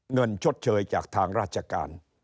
ชดเชยจากทางราชการ